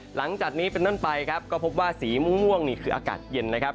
หลังจากนี้เป็นต้นไปครับก็พบว่าสีม่วงนี่คืออากาศเย็นนะครับ